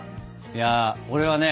いや俺はね